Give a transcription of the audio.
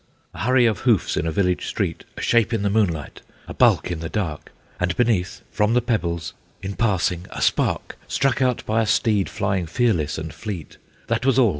A hurry of hoofs in a village street, A shape in the moonlight, a bulk in the dark, And beneath, from the pebbles, in passing, a spark Struck out by a steed flying fearless and fleet; That was all!